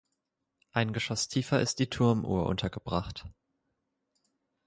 Ein Geschoss tiefer ist die Turmuhr untergebracht.